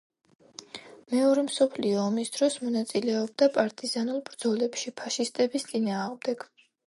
მეორე მსოფლიო ომის დროს მონაწილეობდა პარტიზანულ ბრძოლებში ფაშისტების წინააღმდეგ.